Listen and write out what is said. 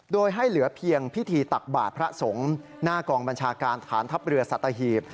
โดยให้เหลือเพียงพิธีตักบาทพระสงฆ์หน้ากองบัญชาการฐานทัพเรือสัตหีบ